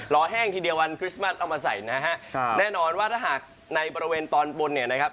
แห้งทีเดียววันคริสต์มัสเอามาใส่นะฮะแน่นอนว่าถ้าหากในบริเวณตอนบนเนี่ยนะครับ